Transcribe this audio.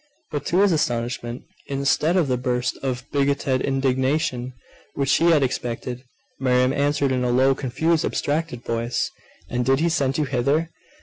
But to his astonishment, instead of the burst of bigoted indignation which he had expected, Miriam answered in a low, confused, abstracted voice 'And did He send you hither?